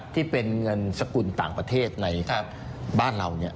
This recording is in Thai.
ที่เป็นเงินสกุลต่างประเทศในบ้านเรา